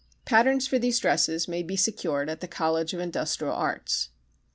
B 833)] Patterns for these dresses may be secured at the College of Industrial Arts.